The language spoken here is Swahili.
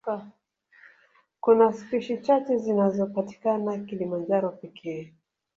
Kuna spishi chache zinazopatikana Kilimanjaro pekee